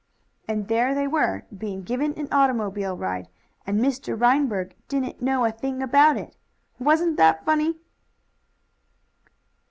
And there they were, being given an automobile ride, and Mr. Reinberg didn't know a thing about it. Wasn't that funny?